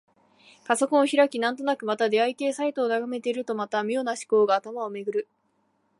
パソコンを開き、なんとなくまた出会い系サイトを眺めているとまた、妙な思考が頭をめぐる。